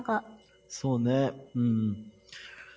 そうねうん。